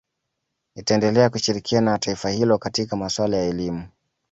Itaendelea kushirikiana na taifa hilo katika maswala ya elimu